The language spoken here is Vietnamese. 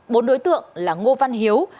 bốn đối tượng là ngô văn hiếu